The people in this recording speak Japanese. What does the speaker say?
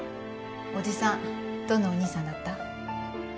伯父さんどんなお兄さんだった？